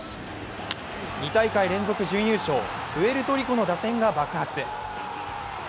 ２大会連続準優勝、プエルトリコの打線が爆発。